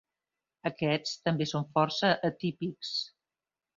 Aquests també són força atípics.